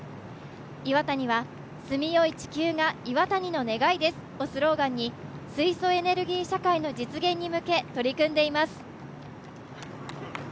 岩谷は住みよい地球が岩谷の願いですをスローガンに水素エネルギー社会の実現に向け取り組んでいます。